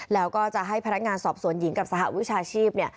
แล้วก็จะให้พนักงานสอบสวนหญิงกับสหวิชาชีพเนี่ย